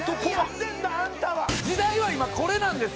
時代は今これなんです。